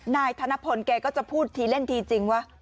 นายธนพลแกก็จะพูดทีเล่นทีจริงว่า